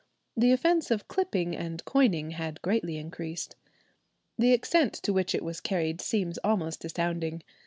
The offence of clipping and coining had greatly increased. The extent to which it was carried seems almost astounding.